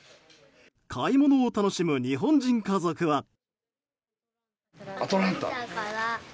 買い物を楽しむ日本人家族は。